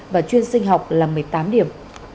và chuyên sinh học là một mươi tám điểm